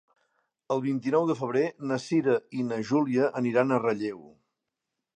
El vint-i-nou de febrer na Cira i na Júlia aniran a Relleu.